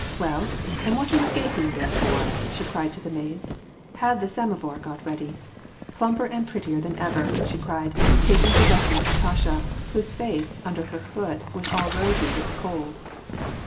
— Well, and what are you gaping there for ?" she cried to the maids. "Have the samovar got ready. — Plumper and prettier than ever!" she cried, taking possession of Natasha, whose face, under her hood, was all rosy with the cold.